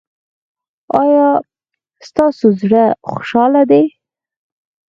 ایا ستاسو زړه خوشحاله دی؟